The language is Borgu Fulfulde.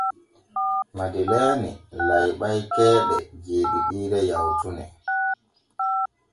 Madeleeni layɓay keeɗe jeeɗiɗiire yawtune.